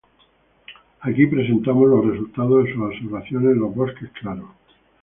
Aquí presentamos los resultados de sus observaciones en los bosques claros.